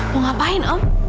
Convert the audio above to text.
mau ngapain om